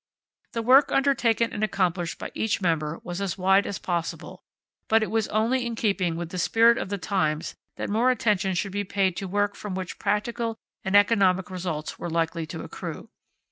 The work undertaken and accomplished by each member was as wide as possible; but it was only in keeping with the spirit of the times that more attention should be paid to work from which practical and economic results were likely to accrue.